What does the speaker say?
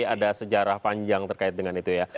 ada sejarah panjang terkait dengan itu ya